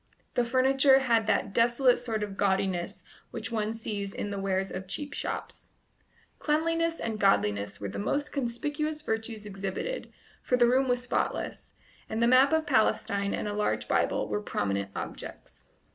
The furniture had that desolate sort of gaudiness which one sees in the wares of cheap shops. Cleanliness and godliness were the most conspicuous virtues exhibited, for the room was spotless, and the map of Palestine and a large Bible were prominent objects.